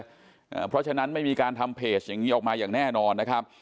เพราะฉะนั้นไม่มีการทำเพจอย่างงี้ออกมาอย่างแน่นอนนะครับ